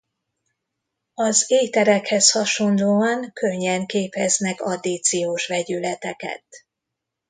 Az éterekhez hasonlóan könnyen képeznek addíciós vegyületeket.